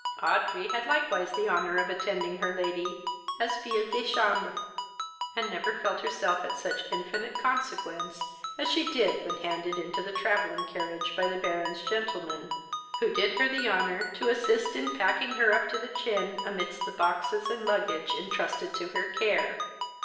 Audrey had likewise the honour of attending her lady as fille de chambre, and never felt herself of such infinite consequence as she did when handed into the travelling carriage by the Baron's gentleman, who did her the honour to assist in packing her up to the chin amidst the boxes and luggage entrusted to her care.